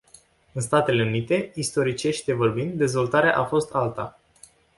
În Statele Unite, istoricește vorbind, dezvoltarea a fost alta.